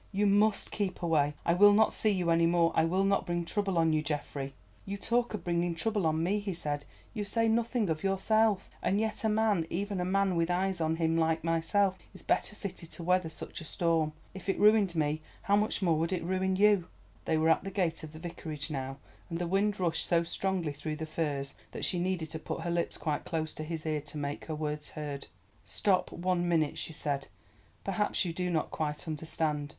"You must keep away. I will not see you any more. I will not bring trouble on you, Geoffrey." "You talk of bringing trouble on me," he said; "you say nothing of yourself, and yet a man, even a man with eyes on him like myself, is better fitted to weather such a storm. If it ruined me, how much more would it ruin you?" They were at the gate of the Vicarage now, and the wind rushed so strongly through the firs that she needed to put her lips quite close to his ear to make her words heard. "Stop, one minute," she said, "perhaps you do not quite understand.